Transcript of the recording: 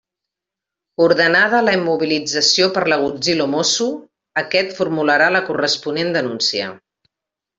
Ordenada la immobilització per l'agutzil o mosso, aquest formularà la corresponent denúncia.